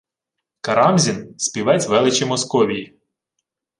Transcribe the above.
Карамзін – «співець величі Московії»